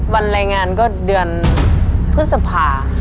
วันแรงงานก็เดือนพุทธภาพ